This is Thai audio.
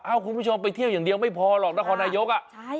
คุณผู้ชมไปเที่ยวอย่างเดียวไม่พอหรอกนครนายก